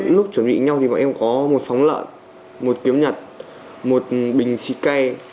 lúc chuẩn bị nhau thì bọn em có một phóng lợn một kiếm nhật một bình xịt cây